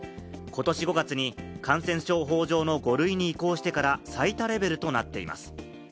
ことし５月に感染症法上の５類に移行してから最多レベルとなっています。